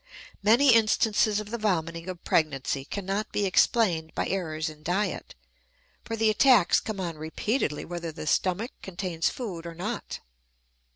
Many instances of the vomiting of pregnancy cannot be explained by errors in diet, for the attacks come on repeatedly whether the stomach contains food or not.